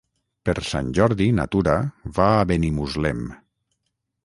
Per Sant Jordi na Tura va a Benimuslem.